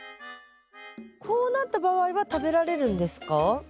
こうなった場合は食べられるんですか？